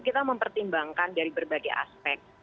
kita mempertimbangkan dari berbagai aspek